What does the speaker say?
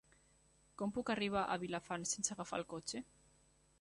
Com puc arribar a Vilafant sense agafar el cotxe?